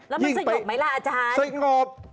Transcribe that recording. แล้วมันสงบไหมล่ะอาจารย์สงบ